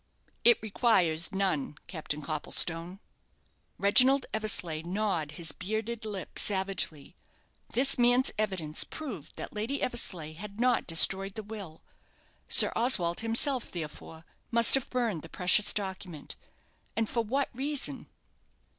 "It requires none, Captain Copplestone." Reginald Eversleigh gnawed his bearded lip savagely. This man's evidence proved that Lady Eversleigh had not destroyed the will. Sir Oswald himself, therefore, must have burned the precious document. And for what reason?